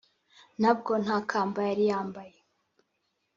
nabwo nta kamba yari yambaye